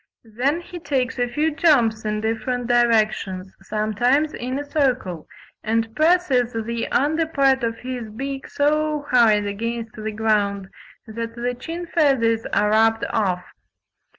Then he takes a few jumps in different directions, sometimes in a circle, and presses the under part of his beak so hard against the ground that the chin feathers are rubbed off.